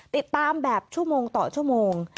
ติดตามแบบชั่วโมงต่อชั่วโมง